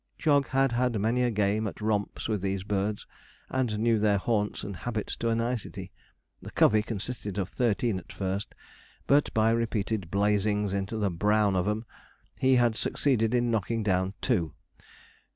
Jog had had many a game at romps with these birds, and knew their haunts and habits to a nicety. The covey consisted of thirteen at first, but by repeated blazings into the 'brown of 'em,' he had succeeded in knocking down two.